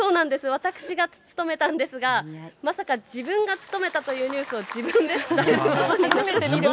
私が務めたんですが、まさか自分が務めたというニュースを自分で伝えることになるとは。